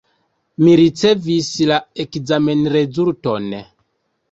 Mi ricevis la ekzamenrezulton.